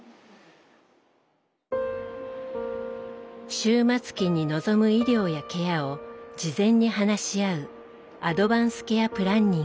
終末期に望む医療やケアを事前に話し合うアドバンス・ケア・プランニング。